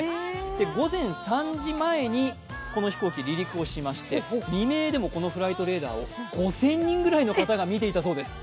午前３時前この飛行機、離陸をしまして、未明でもこのフライトレーダーを５０００人ぐらいの方が見ていたそうです。